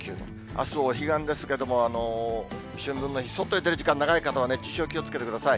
あす、お彼岸ですけれども、秋分の日、外に出る時間長い方は、熱中症気をつけてください。